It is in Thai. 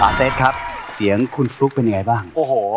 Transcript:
อาเตศครับเสียงคุณฟลุ๊กเป็นไงบ้าง